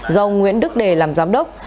do nguyễn đức đề làm giám đốc